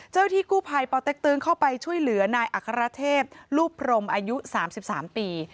เจ้าหน้าที่กู้ภัยปอเต็กตึงเข้าไปช่วยเหลือนายอัครเทพลูกพรมอายุสามสิบสามปี